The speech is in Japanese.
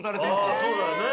そうだよね。